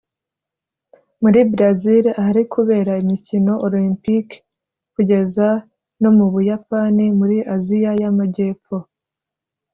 muri Brasil ahari kubera imikino Olempiki kugeza no mu Buyapani muri Aziya y’Amajyepfo